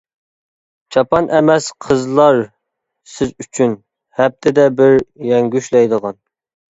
چاپان ئەمەس قىزلار سىز ئۈچۈن، ھەپتىدە بىر يەڭگۈشلەيدىغان.